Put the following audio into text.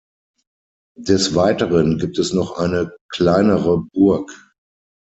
Des Weiteren gibt es noch eine kleinere Burg.